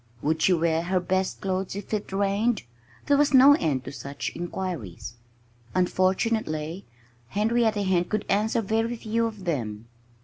Would she wear her best clothes if it rained? There was no end to such inquiries. Unfortunately, Henrietta Hen could answer very few of them.